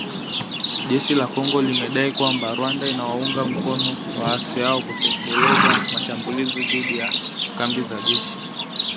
Jeshi la Kongo limedai kwamba Rwanda inawaunga mkono waasi hao kutekeleza mashambulizi dhidi ya kambi za jeshi